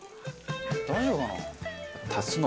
大丈夫かな？